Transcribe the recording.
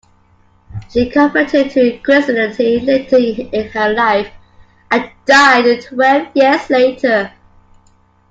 She converted to Christianity later in her life, and died twelve years later.